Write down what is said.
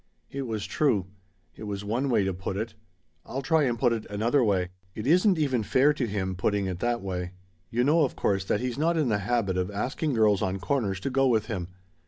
It was true. It was one way to put it. I'll try and put it another way. "It isn't even fair to him, putting it that way. You know, of course, that he's not in the habit of asking girls on corners to go with him.